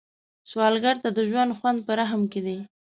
سوالګر ته د ژوند خوند په رحم کې دی